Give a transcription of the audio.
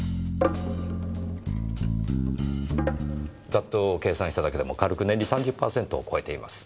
ざっと計算しただけでも軽く年利３０パーセントを超えています。